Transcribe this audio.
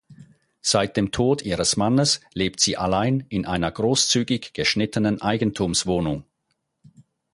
Seit dem Tod ihres Mannes lebt sie allein in einer großzügig geschnittenen Eigentumswohnung.